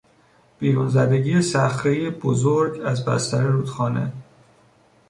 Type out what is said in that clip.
بیرون زدگی صخرهای بزرگ از بستر رودخانه